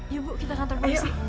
ya bu kita kantor polisi